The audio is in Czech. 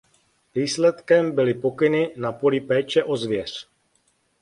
Výsledkem byly pokyny na poli péče o zvěř.